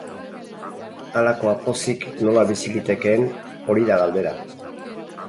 Halakoa pozik nola bizi litekeen, hori da galdera.